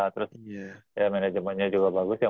terus manajemennya juga bagus ya